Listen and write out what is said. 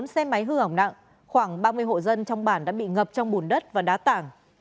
bốn xe máy hư hỏng nặng khoảng ba mươi hộ dân trong bản đã bị ngập trong bùn đất và đá tảng